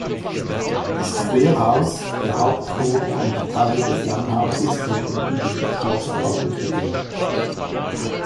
Das Querhaus, der Hauptchor und Teile des Langhauses wurden in den Schlossbau integriert.